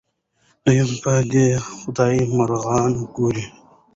دوی به د خدای مرغان ګوري.